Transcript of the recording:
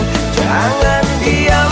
makasih ya kang